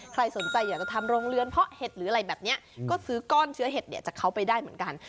ใครสนใจอยากจะทำโรงเรือนเพาะเห็ดหรืออะไรแบบนี้ก็ซื้อก้อนเชื้อเห็ดเนี่ยจากเขาไปได้เหมือนกัน